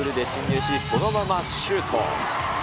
ドリブルで侵入し、そのままシュート。